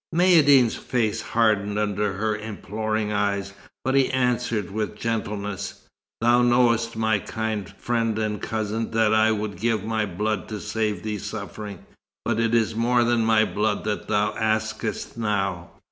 Maïeddine's face hardened under her imploring eyes, but he answered with gentleness, "Thou knowest, my kind friend and cousin, that I would give my blood to save thee suffering, but it is more than my blood that thou askest now.